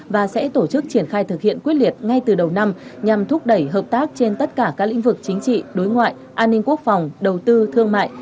và sẽ tổ chức triển khai thực hiện quyết liệt ngay từ đầu năm nhằm thúc đẩy hợp tác trên tất cả các lĩnh vực chính trị đối ngoại an ninh quốc phòng đầu tư thương mại